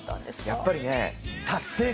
やっぱりね。